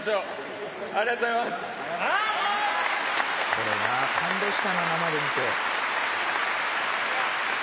「これな感動したな生で見て」